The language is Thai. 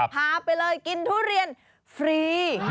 พาไปเลยกินทุเรียนฟรี